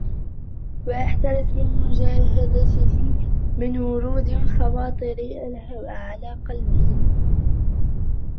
وَاحْتَرَسَ فِي مُجَاهَدَتِهِ مِنْ وُرُودِ خَوَاطِرِ الْهَوَى عَلَى قَلْبِهِ